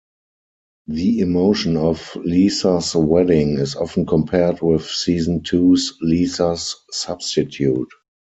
The emotion of "Lisa's Wedding" is often compared with season two's "Lisa's Substitute".